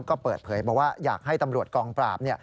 ก็เปิดเผยบอกว่าอยากให้ตำรวจกองปราบ